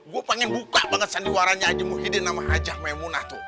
gua pengen buka banget sandiwaranya haji muhyiddin sama haji maimunah tuh